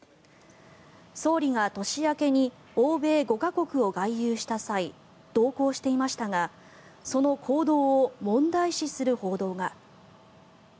総理が年明けに欧米５か国を外遊した際同行していましたがその行動を問題視する報道が。